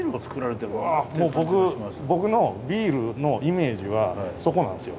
うわ僕のビールのイメージはそこなんですよ。